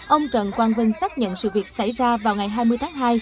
ông trần quang vân xác nhận sự việc xảy ra vào ngày hai mươi tháng hai